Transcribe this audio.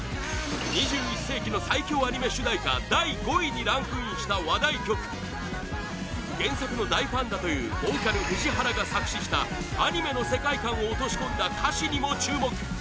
２１世紀の最強アニメ主題歌第５位にランクインした話題曲原作の大ファンだというボーカル・藤原が作詞したアニメの世界観を落とし込んだ歌詞にも注目！